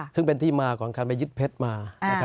ซึ่งเป็นที่มาก่อนคันนั้นไปยึดเพชรมา